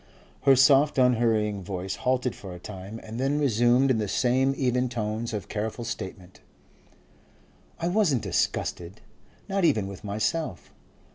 Her soft unhurrying voice halted for a time, and then resumed in the same even tones of careful statement. "I wasn't disgusted, not even with myself.